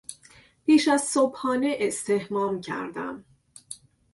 پیش از صبحانه استحمام کردم.